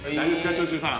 長州さん。